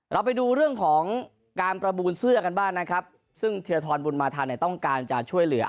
เราไปดูเรื่องของการประมูลเสื้อกันบ้างนะครับซึ่งธีรทรบุญมาทันเนี่ยต้องการจะช่วยเหลือ